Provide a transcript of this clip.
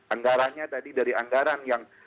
anggarannya tadi dari anggaran yang